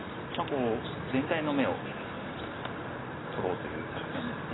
こう全体の眼を取ろうという作戦です。